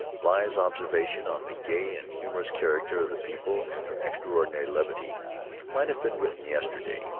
Bligh's observations on the gay and humorous character of the people and their extraordinary levity might have been written yesterday.